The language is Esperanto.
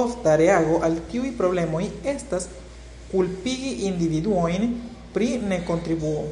Ofta reago al tiuj problemoj estas, kulpigi individuojn pri nekontribuo.